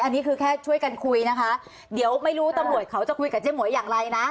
อันนี้คือแค่ช่วยกันคุยนะคะเดี๋ยวไม่รู้ตำรวจเขาจะคุยกับเจ๊หมวยอย่างไรนะ